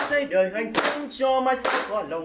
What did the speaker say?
của bà chồng